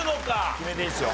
決めていいですよ。